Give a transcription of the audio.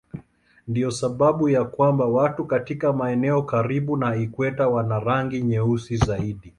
Ndiyo sababu ya kwamba watu katika maeneo karibu na ikweta wana rangi nyeusi zaidi.